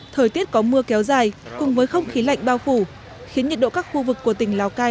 thời tiết có mưa kéo dài cùng với không khí lạnh bao phủ khiến nhiệt độ các khu vực của tỉnh lào cai